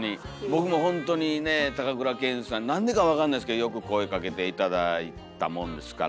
僕もほんとにね高倉健さんなんでか分かんないですけどよく声かけて頂いたもんですから。